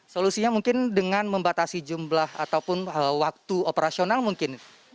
solusinya mungkin dengan membatasi jumlah ataupun waktu operasional mungkin